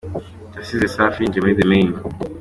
yasize Safi yinjiye muri The Mane.